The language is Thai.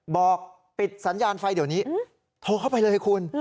บอกปิดสัญญาณไฟเดี๋ยวนี้โทรเข้าไปเลยคุณ